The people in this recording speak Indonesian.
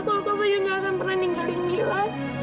kalau kak fadil nggak akan pernah ninggalin mila